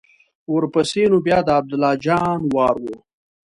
ورپسې نو بیا د عبدالله جان وار و.